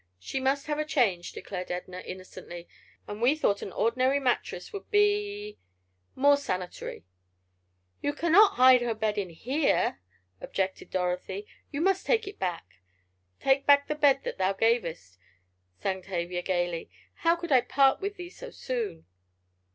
"She must have a change," declared Edna, innocently, "and we thought an ordinary mattress would be—more sanitary." "You cannot hide her bed in here," objected Dorothy. "You must take it back." "Take back the bed that thou gavest!" sang Tavia, gaily. "How could I part with thee so soon!"